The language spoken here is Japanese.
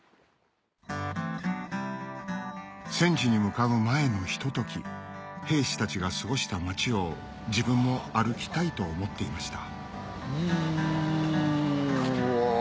戦地に向かう前のひととき兵士たちが過ごした町を自分も歩きたいと思っていましたうわ。